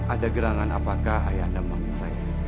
ada gerangan apakah ayah namang saya